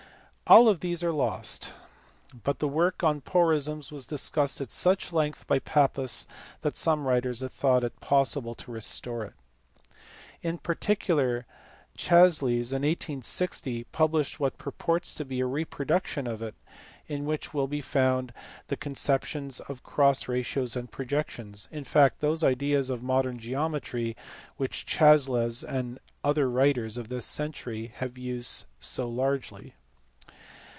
All of these are lost, but the work on porisms was discussed at such length by Pappus, that some writers have thought it possible to restore it. In particular Chasles in 1860 published what purports to be a reproduction of it, in which will be found the conceptions of cross ratios and projection in fact those ideas of modern geometry which Chasles and other writers of this century have used so largely.